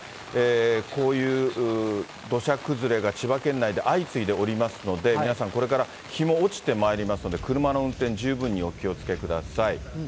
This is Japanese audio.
こういう土砂崩れが千葉県内で相次いでおりますので、皆さん、これから日も落ちてまいりますので、車の運転、十分にお気をつけください。